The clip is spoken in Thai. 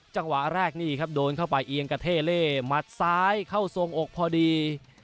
จังหวะแรกนี่ครับโดนเข้าไปเอียงกระเท่เล่หมัดซ้ายเข้าทรงอกพอดี